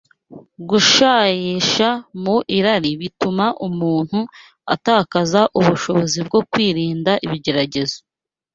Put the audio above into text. Gushayisha mu irari bituma umuntu atakaza ubushobozi bwo kwirinda ibigeragezo